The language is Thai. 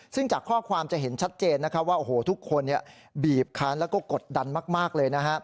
ซึ่งจากข้อความจะเห็นชัดเจนว่าโอ้โหทุกคนบีบคันแล้วก็กดดันมากเลย